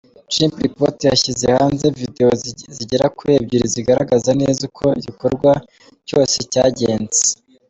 Chimpreports yashyize hanze Videwo zigera kuri ebyiri zigaragaza neza uko igikorwa cyose cyangenze.